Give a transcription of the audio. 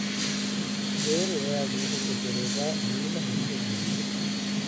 އޭރު އެއައި މީހުންގެތެރޭގައި މީނަ ހުރިހެން ހީވި